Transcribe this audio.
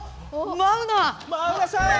マウナ！